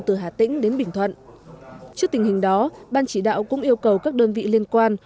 từ hà tĩnh đến bình thuận trước tình hình đó ban chỉ đạo cũng yêu cầu các đơn vị liên quan